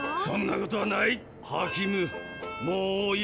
そんなことはない。